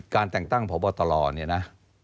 แต่งตั้งพบตลเนี่ยนะ